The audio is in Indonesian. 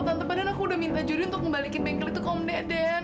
tante padahal aku udah minta jody untuk kembalikan bengkel itu ke om dek den